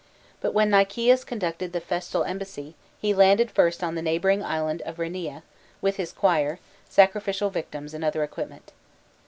But when Nicias conducted the festal embassy, he landed first on the neighbouring island of Rheneia, with his choir, sacrificial victims, and other equipment.